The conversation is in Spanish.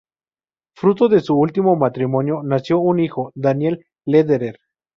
Fruto de su último matrimonio nació un hijo, Daniel Lederer.